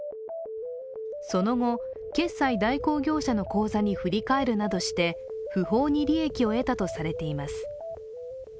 その後、決済代行業者の口座に振り替えるなどして不法に利益を得たとされています。